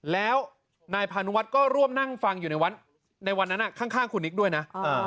แล้วนายพานุวัฒน์ก็ร่วมนั่งฟังอยู่ในวันนั้นข้างคุณนิกด้วยนะ